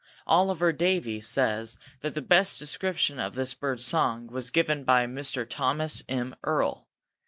Oliver Davie says that the best description of this bird's song was given by Mr. Thomas M. Earl.